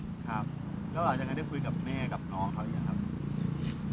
ครับแล้วหลังจากนั้นได้คุยกับแม่กับน้องเขาหรือยังครับ